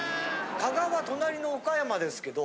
加賀は隣の岡山ですけど。